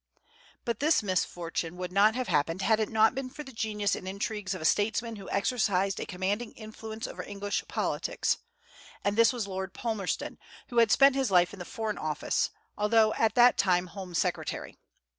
But this misfortune would not have happened had it not been for the genius and intrigues of a statesman who exercised a commanding influence over English politics; and this was Lord Palmerston, who had spent his life in the foreign office, although at that time home secretary.